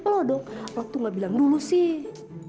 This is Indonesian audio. loh dong waktu gak bilang dulu sih